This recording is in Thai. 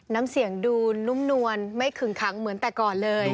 น้ำเสียงดูนุ่มนวลไม่ขึงขังเหมือนแต่ก่อนเลย